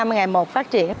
mà ngày một phát triển